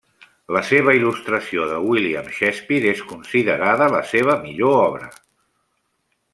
La seva il·lustració de William Shakespeare és considerada la seva millor obra.